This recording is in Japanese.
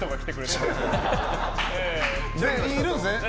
いるんですね、全部。